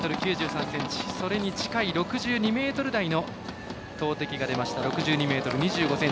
それに近い６２ｍ台の投てきが出ました。